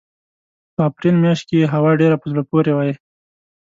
په اپرېل مياشت کې یې هوا ډېره په زړه پورې وي.